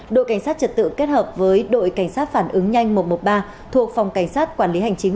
đội cảnh sát trật tự kết hợp với đội cảnh sát phản ứng nhanh một trăm một mươi ba thuộc phòng cảnh sát quản lý hành chính